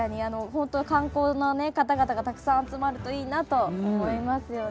本当観光の方々がたくさん集まるといいなと思いますよね。